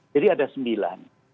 jadi ada sembilan